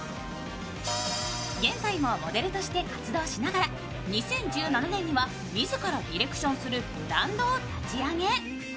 現在もモデルとして活動しながら、２０１７年には自らディレクションするブランドを立ち上げ。